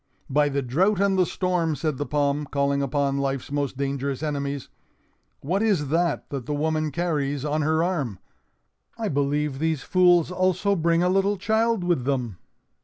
"By the drought and the storm!" said the palm, calling upon Life's most dangerous enemies. "What is that that the woman carries on her arm? I believe these fools also bring a little child with them!"